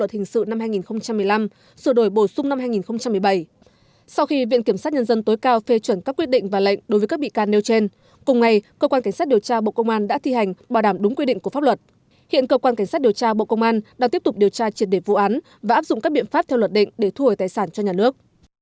hiện cơ quan cảnh sát điều tra bộ công an đang tiếp tục điều tra triệt để vụ án và áp dụng các biện pháp theo luật định để thu hồi tài sản cho nhà nước